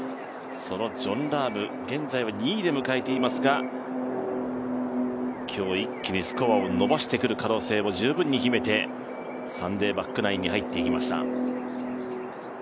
そのジョン・ラーム、現在は２位で迎えていますが、今日一気にスコアを伸ばしてくる可能性も十分に秘めてサンデーバックナインに入ってきました。